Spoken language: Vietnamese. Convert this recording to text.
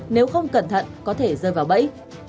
nếu không cẩn thận có thể rơi vào bẫy